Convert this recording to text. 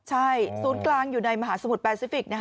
ใช่ศูนย์กลางอยู่ในมหาสมุทรแปซิฟิก